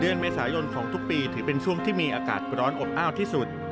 เดือนเมษายนของทุกปีถือเป็นช่วงที่มีอากาศร้อนอบอ้าวที่สุด